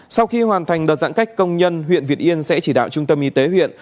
sau khi hoàn thành đợt giãn cách công nhân huyện việt yên sẽ chỉ đạo trung tâm y tế huyện